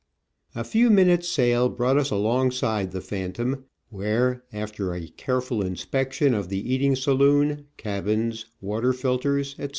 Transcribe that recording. A few minutes' sail brought us alongside the Phantom, where after a careful in spection of the eating saloon, cabins, water filters, etc.